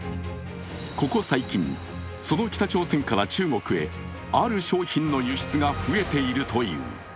ここ最近、その北朝鮮から中国へある商品の輸出が増えているという。